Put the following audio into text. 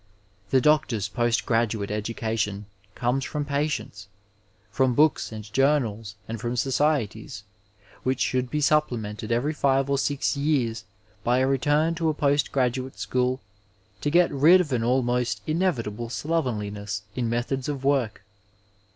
The doctor's post graduate education comes from patients, from books and journals, and from societies, which should be supplemented every five or six years by a return to a post graduate school to get rid of an almost inevitable slovenliness in methods of work.